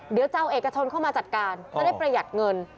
เดี๋ยวจะเอาเอกชนเข้ามาจัดการจะได้ประหยัดเงิน